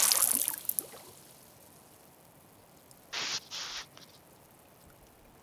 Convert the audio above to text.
Maeneo hayo yanapendeza